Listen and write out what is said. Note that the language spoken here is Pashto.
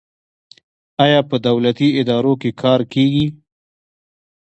آیا په دولتي ادارو کې کار کیږي؟